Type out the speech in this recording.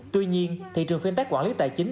tuy nhiên thị trường phiên tác quản lý tài chính